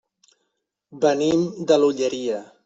Venim de l'Olleria.